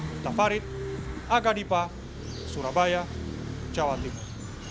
miftah farid aga dipa surabaya jawa timur